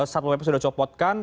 satpo pp sudah copotkan